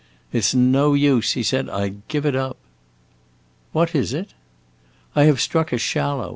"It 's no use," he said, "I give it up!" "What is it?" "I have struck a shallow!